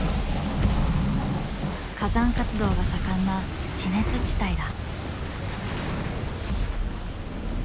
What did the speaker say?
火山活動が盛んな地熱地帯だ。